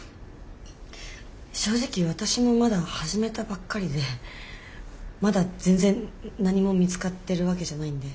正直私もまだ始めたばっかりでまだ全然何も見つかってるわけじゃないんで。